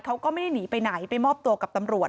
เขาก็ไม่ได้หนีไปไหนไปมอบตัวกับตำรวจ